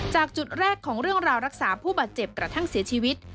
จากจุดแรกของเรื่องราวรักษาผู้บาดเจ็บกระทั่งเสียชีวิต